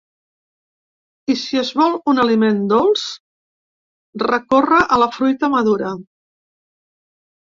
I si es vol un aliment dolç, recórrer a la fruita madura.